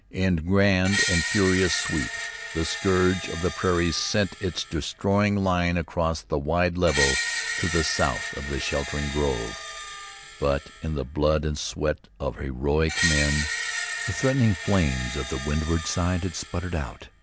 In grand and furious sweep, the scourge of the prairie sent its destroying line across the wide level to the south of the sheltering grove, but in the blood and sweat of heroic men the threatening flames of the windward side had sputtered out.